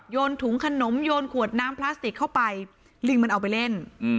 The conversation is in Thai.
ถุงขนมโยนขวดน้ำพลาสติกเข้าไปลิงมันเอาไปเล่น